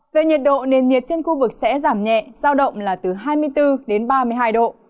về nhiệt độ nền nhiệt trên khu vực sẽ giảm nhẹ giao động là từ hai mươi bốn đến ba mươi hai độ